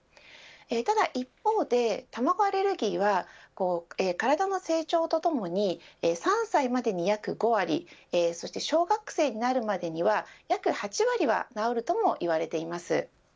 ただ一方で卵アレルギーは体の成長とともに３歳までに約５割そして小学生になるまでには約８割は治ると言われています。